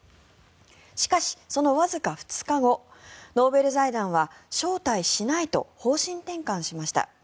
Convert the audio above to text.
しかし、そのわずか２日後ノーベル財団は招待しないと方針転換しました。